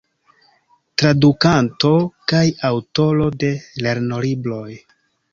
Tradukanto kaj aŭtoro de lernolibroj.